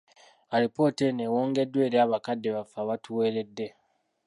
Alipoota eno ewongeddwa eri bakadde baffe abatuweeredde.